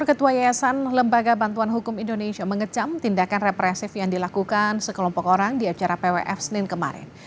ketua yayasan lembaga bantuan hukum indonesia mengecam tindakan represif yang dilakukan sekelompok orang di acara pwf senin kemarin